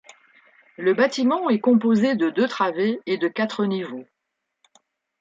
Le bâtiment est composé de deux travées et de quatre niveaux.